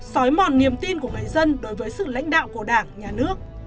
sói mòn niềm tin của người dân đối với sự lãnh đạo của đảng nhà nước